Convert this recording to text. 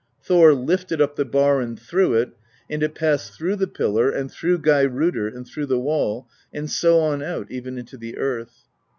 Thor lifted up the bar and threw it, and it passed through the pillar and through Geirrodr and through the wall, and so on out, even into the earth.